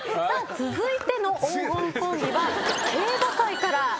続いての黄金コンビは競馬界からです。